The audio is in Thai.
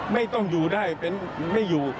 ไม่ต้องอยู่ได้เป็นไม่อยู่